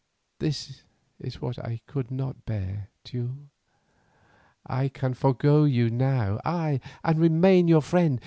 This is what I could not bear, Teule. I can forego you now, ay, and remain your friend.